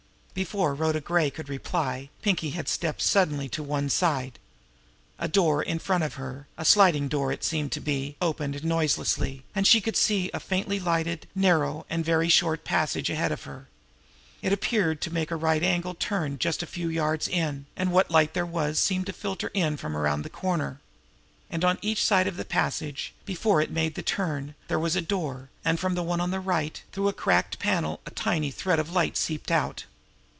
Before Rhoda Gray could reply, Pinkie had stepped suddenly to one side. A door in front of her, a sliding door it seemed to be, opened noiselessly, and she could see a faintly lighted, narrow, and very short passage ahead of her. It appeared to make a right angled turn just a few yards in, and what light there was seemed to filter in from around the corner. And on each side of the passage, before it made the turn, there was a door, and from the one on the right, through a cracked panel, a tiny thread of light seeped out.